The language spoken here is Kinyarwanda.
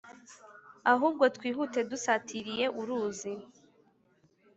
ahubwo twihute dusatiriye uruzi